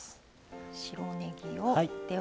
白ねぎをでは。